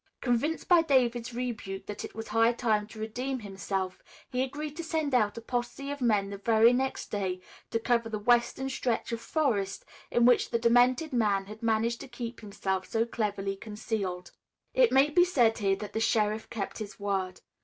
Convinced by David's rebuke that it was high time to redeem himself, he agreed to send out a posse of men the very next day to cover the western stretch of forest in which the demented man had managed to keep himself so cleverly concealed. It may be said here that the sheriff kept his word.